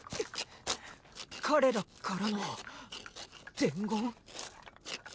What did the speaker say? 彼らからの伝言？